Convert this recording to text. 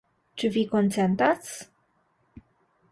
Ĉu vi konsentas?